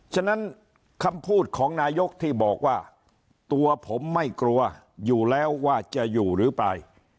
ฉะนั้นคำพูดของนายกที่บอกว่าตัวผมไม่กลัวอยู่แล้วว่าจะอยู่หรือไป